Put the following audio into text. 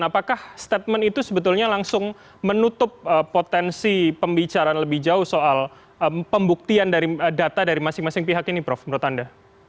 apakah statement itu sebetulnya langsung menutup potensi pembicaraan lebih jauh soal pembuktian dari data dari masing masing pihak ini prof menurut anda